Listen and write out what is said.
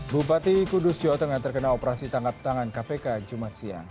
bupati kudus jawa tengah terkena operasi tangkap tangan kpk jumat siang